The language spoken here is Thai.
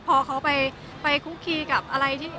พอเขาไปคุกคีกับอะไรที่